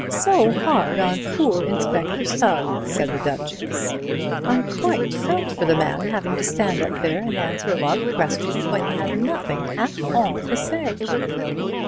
"So hard on poor Inspector Sugg," said the Duchess. "I quite felt for the man, having to stand up there and answer a lot of questions when he had nothing at all to say."